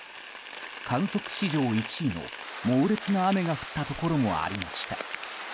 観測史上１位の猛烈な雨が降ったところもありました。